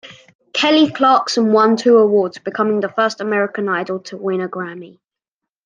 Kelly Clarkson won two awards, becoming the first American Idol to win a Grammy.